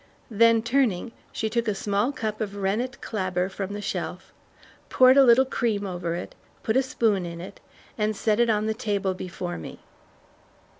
Then turning, she took a small cup of rennet clabber from the shelf, poured a little cream over it, put a spoon in it, and set it on the table before me.